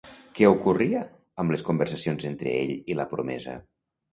Què ocorria amb les conversacions entre ell i la promesa?